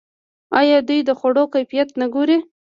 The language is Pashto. آیا دوی د خوړو کیفیت نه ګوري؟